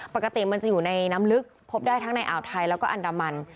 ปกติมันจะอยู่ในน้ำลึกพบได้ทั้งในอ่าวไทยแล้วก็อันดามัน